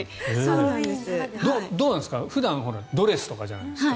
どうなんですか普段ドレスじゃないですか。